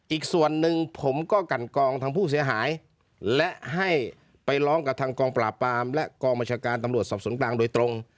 อีกส่วนหนึ่งผมก็กันกองทางผู้เสียหายและให้ไปร้องกับทางกองปราบปรามและกองบัญชาการตำรวจสอบสวนกลางโดยตรง